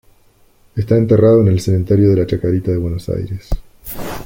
Está enterrado en el cementerio de la Chacarita de Buenos Aires.